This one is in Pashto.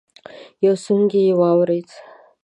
يو سونګی يې واورېد.